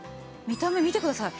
見た目見てください。